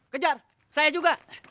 kejar saya juga